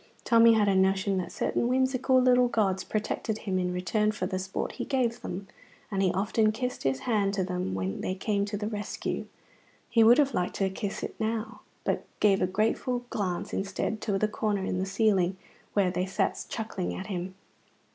Tommy had a notion that certain whimsical little gods protected him in return for the sport he gave them, and he often kissed his hand to them when they came to the rescue. He would have liked to kiss it now, but gave a grateful glance instead to the corner in the ceiling where they sat chuckling at him.